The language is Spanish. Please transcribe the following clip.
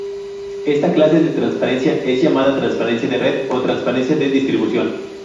Esta clase de transparencia es llamada "transparencia de red" o "transparencia de distribución".